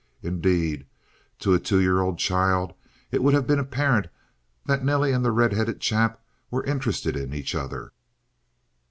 Indeed, to a two year old child it would have been apparent that Nelly and the red headed chap were interested in each other.